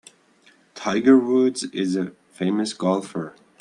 Tiger Woods is a famous golfer.